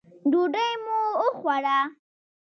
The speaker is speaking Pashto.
ډوډۍ مو وخوړه.